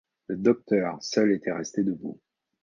Le docteur seul était resté debout.